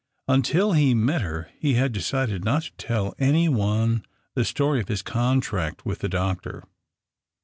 Until he net her he had decided not to tell any one the tory of his contract with the doctor.